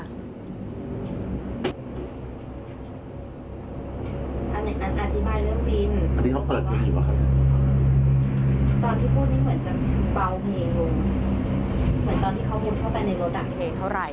อันนี้อันอธิบายเรื่องบินอันนี้เขาเปิดไว้อยู่หรอค่ะตอนที่พูดนี่เหมือนจะเปล่าเพลงเหมือนตอนที่เขาหุ้นเข้าไปในรถดังเพลงเท่าไหร่